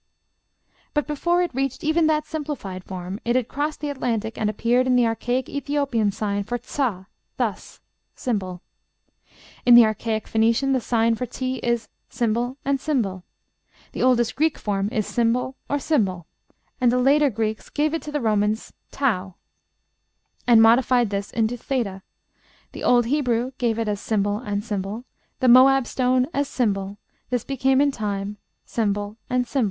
But before it reached even that simplified form it had crossed the Atlantic, and appeared in the archaic Ethiopian sign for tsa, thus, ###. In the archaic Phoenician the sign for ### is ### and ###; the oldest Greek form is ### or ### and the later Greeks gave it to the Romans ###, and modified this into ###; the old Hebrew gave it as ### and ###; the Moab stone as ###; this became in time ### and ###